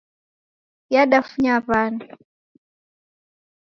Yadafunya w'ana